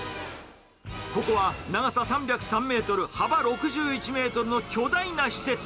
ここは長さ３０３メートル、幅６１メートルの巨大な施設。